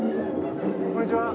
こんにちは。